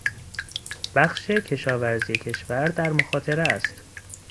بخش کشاورزی کشور در مخاطره است.